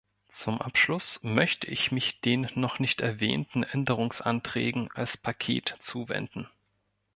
Zum Abschluss möchte ich mich den noch nicht erwähnten Änderungsanträgen als Paket zuwenden.